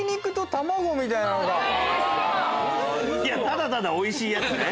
ただただおいしいやつね。